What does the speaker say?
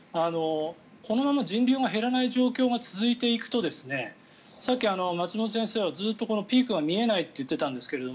このまま人流が減らない状況が続いていくとさっき松本先生はずっとピークが見えないって言っていたんですけど